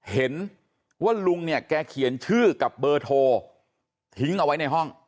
เห็นว่าลุงเนี่ยแกเขียนชื่อกับเบอร์โทรทิ้งเอาไว้ในห้อง